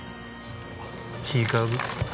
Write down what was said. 違う。